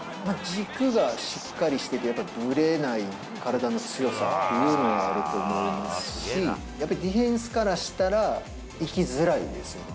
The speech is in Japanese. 軸がしっかりしてて、やっぱぶれない体の強さっていうのがあると思いますし、やっぱりディフェンスからしたら、行きづらいですね。